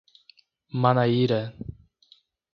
Manaíra